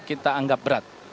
kita anggap berat